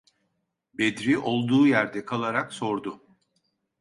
Bedri olduğu yerde kalarak sordu: